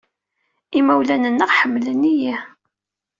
Imawlan-nneɣ ḥemmlen-iyi.